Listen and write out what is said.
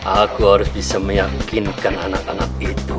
aku harus bisa meyakinkan anak anak itu